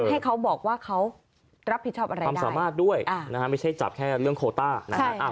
ให้เขาบอกว่าเขารับผิดชอบอะไรความสามารถด้วยนะฮะไม่ใช่จับแค่เรื่องโคต้านะฮะ